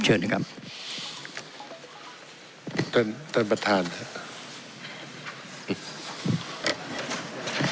เชิญนะครับท่านท่านประธานครับ